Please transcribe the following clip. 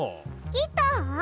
ギター？